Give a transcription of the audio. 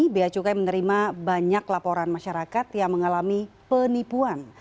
biaya cukai menerima banyak laporan masyarakat yang mengalami penipuan